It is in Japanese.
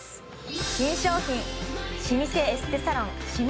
新商品老舗エステサロンシミ